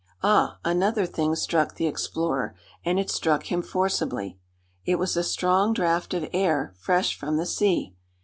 Ah! Another thing struck the explorer; and it struck him forcibly. It was a strong draught of air fresh from the sea!